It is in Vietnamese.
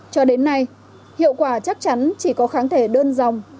cho đến nay hiệu quả chắc chắn chỉ có kháng thể đơn dòng